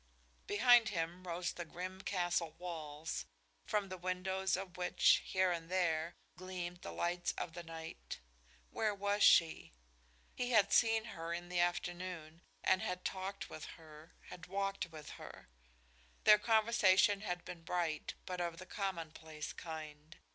Behind him rose the grim castle walls, from the windows of which, here and there, gleamed the lights of the night. Where was she? He had seen her in the afternoon and had talked with her, had walked with her. Their conversation had been bright, but of the commonplace kind.